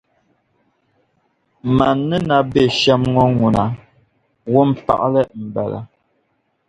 Man' ni na be shɛm ŋɔ ŋuna, wunpaɣili n-bala